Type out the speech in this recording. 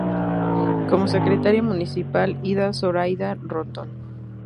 Como Secretaria Municipal: Ida Zoraida Rondón.